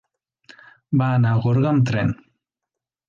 Va anar a Gorga amb tren.